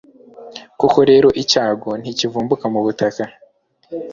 koko rero, icyago ntikivumbuka mu butaka